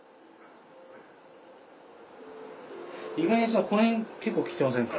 意外にこの辺結構きてませんか？